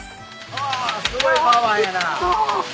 わあすごいパワーやな。